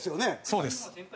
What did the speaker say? そうです。